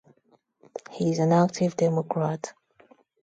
He is an active Democrat.